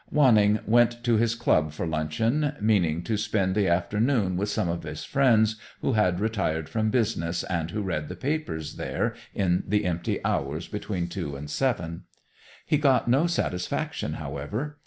Wanning went to his club for luncheon, meaning to spend the afternoon with some of his friends who had retired from business and who read the papers there in the empty hours between two and seven. He got no satisfaction, however.